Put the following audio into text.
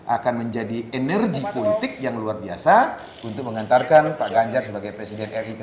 akan menjadi energi politik yang luar biasa untuk mengantarkan pak ganjar sebagai presiden ri ke